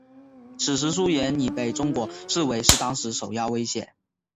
此时苏联已经被中国视为是当时首要威胁。